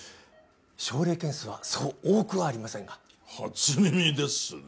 症例件数はそう多くはありませんが初耳ですね